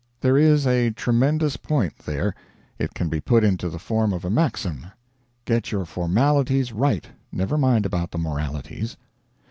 There is a tremendous point there. It can be put into the form of a maxim: Get your formalities right never mind about the moralities.